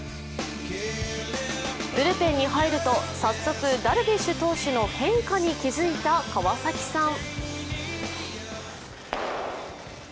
ブルペンに入ると、早速ダルビッシュ投手の変化に気づいた川崎さん。